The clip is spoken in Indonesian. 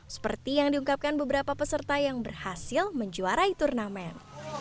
seperti yang diungkapkan beberapa peserta yang berhasil menjuarai turnamen